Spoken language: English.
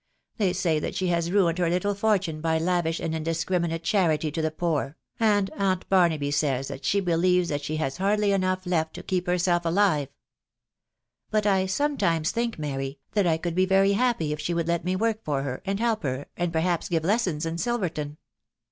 They say that she has ruined her little foxtuiie \fj \kto&l ^\ yh&&» criminate charity to the poor, and *um T&tw&fji wj* 'to&X ^<< 192 THE WIDOW BARNABY. believes that she has hardly enough left to keep herself alive. But I sometimes think. Mary, that I could be very happy if she would let me work for her, and help her, and perhaps give lessons in Silverton.